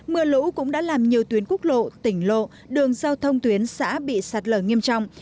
mưa lũ cũng đã làm nhiều tuyến quốc lộ tỉnh lộ đường giao thông tuyến xã bị sạt lở nghiêm trọng